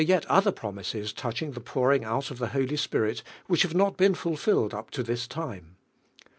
yet other promises touching the pouring out of the Holy Spirit which have not Chapter XV. '■ been fulfilled np to this time.